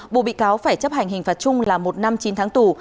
bộ bị cáo phải chấp hành hình phạt chung là một năm chín tháng tù